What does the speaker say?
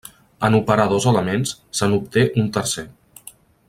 En operar dos elements, se n’obté un tercer.